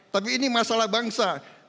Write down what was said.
tapi ini masalah bangsa